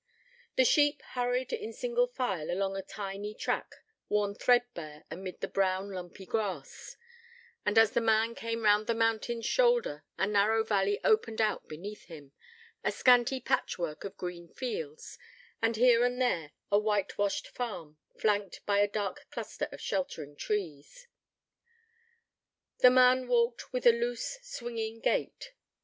The sheep hurried in single file along a tiny track worn threadbare amid the brown, lumpy grass: and, as the man came round the mountain's shoulder, a narrow valley opened out beneath him a scanty patchwork of green fields, and, here and there, a whitewashed farm, flanked by a dark cluster of sheltering trees. The man walked with a loose, swinging gait.